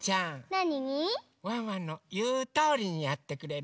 なに？ワンワンのいうとおりにやってくれる？